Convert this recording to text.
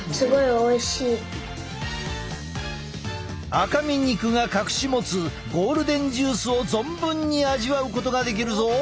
赤身肉が隠し持つゴールデンジュースを存分に味わうことができるぞ！